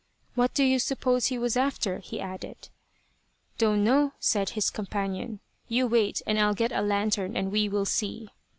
"What do you suppose he was after?" he added. "Don't know," said his companion. "You wait, and I'll get a lantern and we will see."